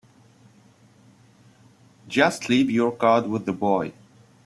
Just leave your card with the boy.